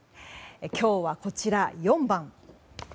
今日はこちら、４番。